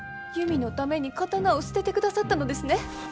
ゆみのために刀を捨ててくださったのですね。